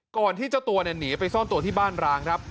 ที่เจ้าตัวหนีไปซ่อนตัวที่บ้านร้างครับ